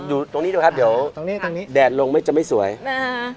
อยู่ตรงนี้ดูครับเดี๋ยวตรงนี้ตรงนี้แดดลงไม่จะไม่สวยนะฮะ